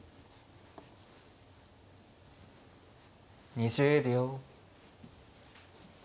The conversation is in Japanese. ２０秒。